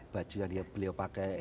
baju yang beliau pakai